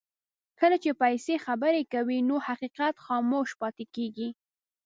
کله چې پیسې خبرې کوي نو حقیقت خاموش پاتې کېږي.